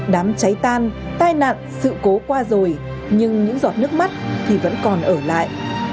đám cháy tan tai nạn sự cố qua rồi nhưng những giọt nước mắt thì vẫn còn ở lại